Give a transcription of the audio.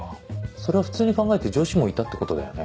それは普通に考えて女子もいたってことだよね。